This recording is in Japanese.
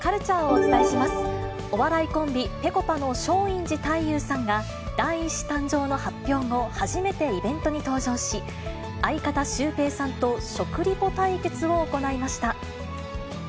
お笑いコンビ、ぺこぱの松陰寺太勇さんが、第１子誕生の発表後、初めてイベントに登場し、相方、シュウペイさんと食リポ対決を行いました。